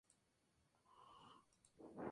Creó la primera serie de los leks de Albania.